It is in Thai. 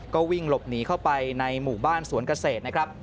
ก็วิ่งหลบหนีเข้าไปในหมู่บ้านสวนเกษตรนะครับ